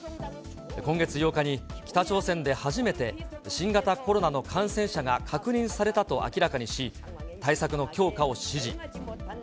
今月８日に北朝鮮で初めて新型コロナの感染者が確認されたと明らかにし、対策の強化を指示。